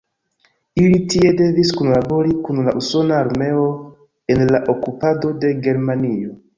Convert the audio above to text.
Ili tie devis kunlabori kun la usona armeo en la okupado de Germanio.